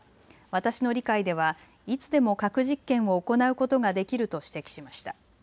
私の理解ではいつでも核実験を行うことができると指摘しました。